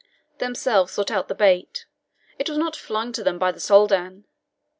Themselves sought out the bait; it was not flung to them by the Soldan.